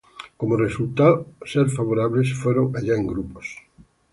Como resultó ser favorable, se fueron allá en grupos.